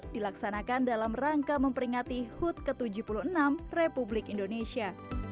dilaksanakan dalam rangka memperingati hut ke tujuh puluh enam republik indonesia